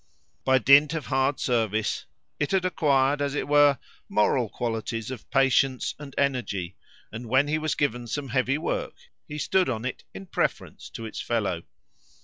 By dint of hard service it had acquired, as it were, moral qualities of patience and energy; and when he was given some heavy work, he stood on it in preference to its fellow.